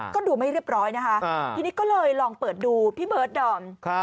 ก็ดูไม่เรียบร้อยนะคะทีนี้ก็เลยลองเปิดดูพี่เบิร์ดดอม